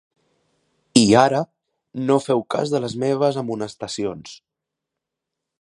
I, ara, no feu cas de les meves amonestacions.